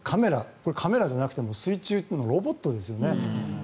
もう、これカメラじゃなくて水中ロボットですよね。